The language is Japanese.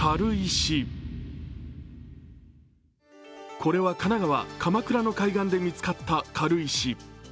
これは神奈川・鎌倉の海岸で見つかった軽石。